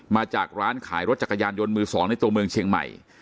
มาจากร้านขายรถจักรยานยนต์มือสองในตัวเมืองเชียงใหม่